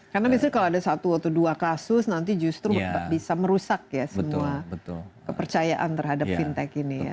karena misalnya kalau ada satu atau dua kasus nanti justru bisa merusak ya semua kepercayaan terhadap fintech ini ya